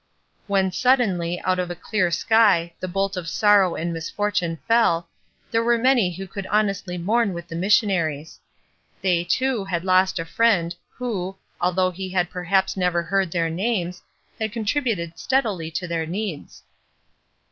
When suddenly, out of a clear sky, the bolt of sorrow and misfortune fell, there were many who could honestly mourn with the missionaries. They, too, had lost a friend who, although he had perhaps never heard their names, had con tributed steadily to their needs.